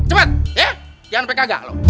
cepat ya jangan pek kagak lo